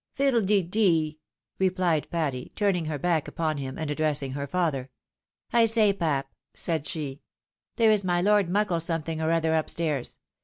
" Fiddle de dee !" replied Patty, turning her back upon him, and addressing her father. " I say, pap," said she, " there is my Lord Muckle something or other up stairs.